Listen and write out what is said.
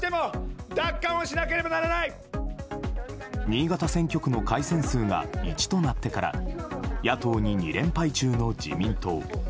新潟選挙区の改選数が１となってから野党に２連敗中の自民党。